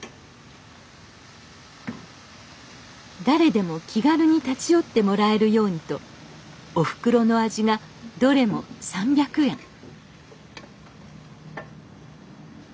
誰でも気軽に立ち寄ってもらえるようにとおふくろの味がどれも３００円